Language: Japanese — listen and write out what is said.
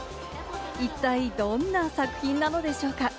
一体どんな作品なのでしょうか？